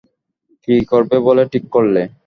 কী করবে বলে ঠিক করলে?